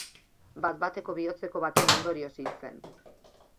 Bat-bateko bihotzeko baten ondorioz hil zen.